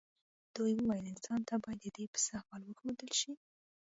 دوی وویل انسان ته باید ددې پسه حال وښودل شي.